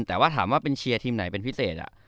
แต่ว่าถามว่าเป็นเชียร์ทีมไหนเป็นพิเศษ